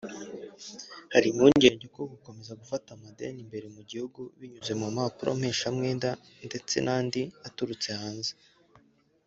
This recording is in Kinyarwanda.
Hari impungenge ko gukomeza gufata amadeni imbere mu gihugu binyuze mu mpapuro mpeshamwenda ndetse n’andi aturutse hanze